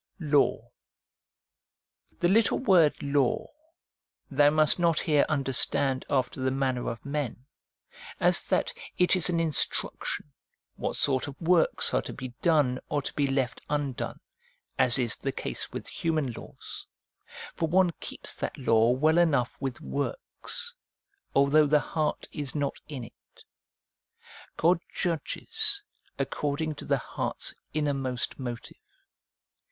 Law. The little word ' Law ' thou must not here understand after the manner of men, as that it is an instruc tion, what sort of works are to be done or to be left undone, as is the case with human laws ; for one keeps that law well enough with works, although the heart is not in it. God judges according to the heart's innermost motive.